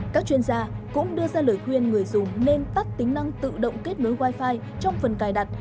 các chuyên gia cũng đưa ra lời khuyên người dùng nên tắt tính năng tự động kết nối wifi trong phần cài đặt